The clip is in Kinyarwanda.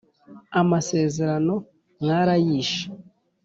Amasezerano mwarayishe